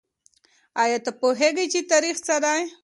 آیا ته پوهېږې چې تاریخ څه دی؟